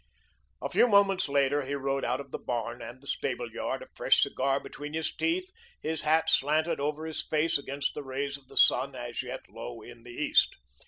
A few moments later, he rode out of the barn and the stable yard, a fresh cigar between his teeth, his hat slanted over his face against the rays of the sun, as yet low in the east.